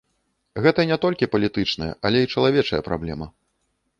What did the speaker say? Гэта не толькі палітычная, але і чалавечая праблема.